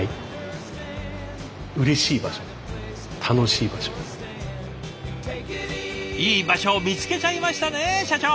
いい場所見つけちゃいましたね社長！